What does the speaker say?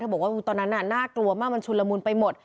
บอกว่าตอนนั้นน่ะน่ากลัวมากมันชุนละมุนไปหมด